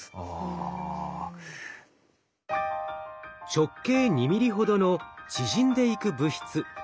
直径２ミリほどの縮んでいく物質。